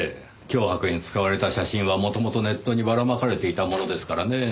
脅迫に使われた写真は元々ネットにばらまかれていたものですからねぇ。